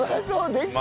できた！